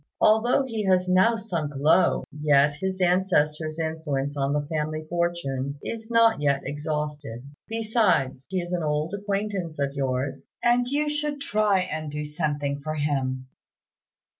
Although he has now sunk low, yet his ancestors' influence on the family fortunes is not yet exhausted; besides he is an old acquaintance of yours, and you should try and do something for him."